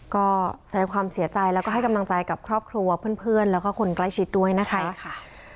ก็แสดงความเสียใจและให้กำลังใจกับครอบครัวเพื่อนและคนใกล้ชิดด้วยนะคะ